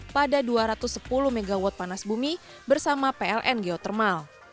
pada dua ratus sepuluh mw panas bumi bersama pln geotermal